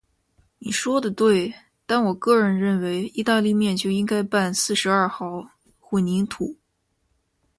你说得对，但我个人认为，意大利面就应该拌四十二号混凝土。